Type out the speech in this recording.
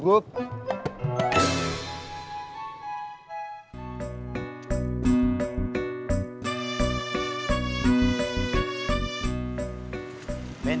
tidak ada alamatnya